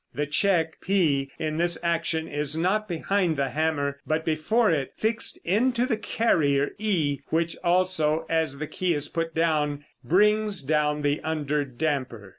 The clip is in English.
The check p in this action is not behind the hammer, but before it, fixed into the carrier, e, which also, as the key is put down, brings down the under damper.